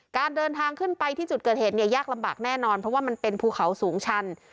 การเดินทางขึ้นไปที่จุดเกิดเหตุเนี่ยยากลำบากแน่นอนเพราะว่ามันเป็นภูเขาสูงชัน